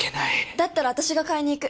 だったら私が買いに行く。